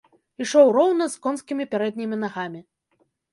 Ішоў роўна з конскімі пярэднімі нагамі.